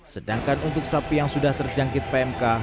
sedangkan untuk sapi yang sudah terjangkit pmk